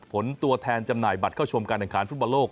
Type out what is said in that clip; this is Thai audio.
ผลตัวแทนจำหน่ายบัตรเข้าชมการทางคารฟุตบาลโลก